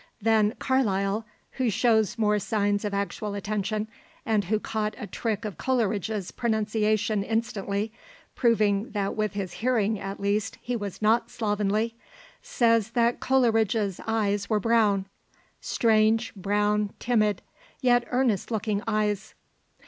Then Carlyle, who shows more signs of actual attention, and who caught a trick of Coleridge's pronunciation instantly, proving that with his hearing at least he was not slovenly, says that Coleridge's eyes were brown "strange, brown, timid, yet earnest looking eyes."